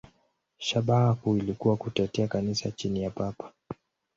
Shabaha kuu ilikuwa kutetea Kanisa chini ya Papa.